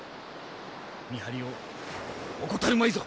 見張りを怠るまいぞ！